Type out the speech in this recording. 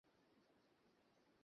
আর কী আছে, অ্যামেলিয়া?